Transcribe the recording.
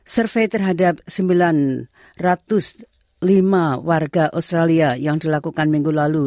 survei terhadap sembilan ratus lima warga australia yang dilakukan minggu lalu